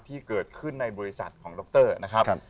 ที่เกิดขึ้นในบริษัทของล็อคเตอร์นะครับ